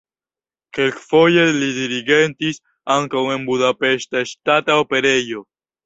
Kelkfoje li dirigentis ankaŭ en Budapeŝta Ŝtata Operejo.